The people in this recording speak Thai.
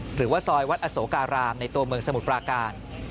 หรือว่าซอยวัดอโสการามในตัวเมืองสมุทรปราการ